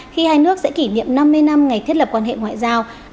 khi hai nước sẽ kỷ niệm năm mươi năm ngày thiết lập quan hệ ngoại giao